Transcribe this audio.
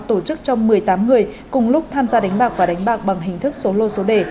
tổ chức cho một mươi tám người cùng lúc tham gia đánh bạc và đánh bạc bằng hình thức số lô số đề